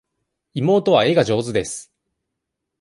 妹は絵が上手です。